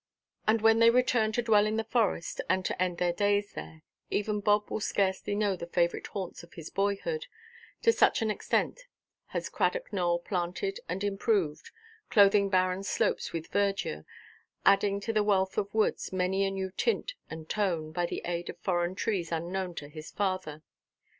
And when they return to dwell in the Forest, and to end their days there, even Bob will scarcely know the favourite haunts of his boyhood—to such an extent has Cradock Nowell planted and improved, clothing barren slopes with verdure, adding to the wealth of woods many a new tint and tone, by the aid of foreign trees unknown to his father.